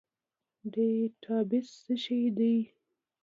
ډیټابیس څه شی دی؟